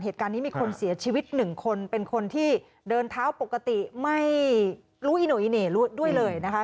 เหตุการณ์นี้มีคนเสียชีวิตหนึ่งคนเป็นคนที่เดินเท้าปกติไม่รู้อิโนอิเน่ด้วยเลยนะคะ